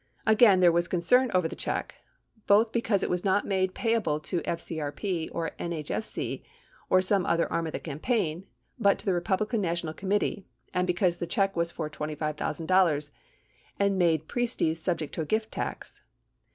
Again, there was concern over the check, both because it was not made payable to FCRP or NHFC or some other arm of the campaign, but to the Republican National Committee, and because the check was for $25,000 and made Priestes subject to a gift tax.